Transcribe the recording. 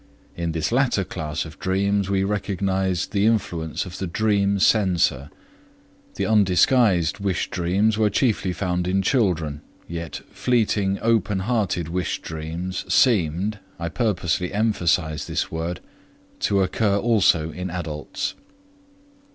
In this latter class of dreams we recognized the influence of the dream censor. The undisguised wish dreams were chiefly found in children, yet fleeting open hearted wish dreams seemed (I purposely emphasize this word) to occur also in adults.